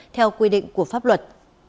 theo quy định của pháp luật